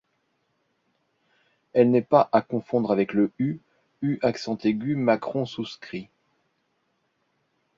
Elle n’est pas à confondre avec le Ú̱, U accent aigu macron souscrit.